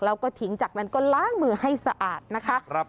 แล้วก็ทิ้งจากนั้นก็ล้างมือให้สะอาดนะคะ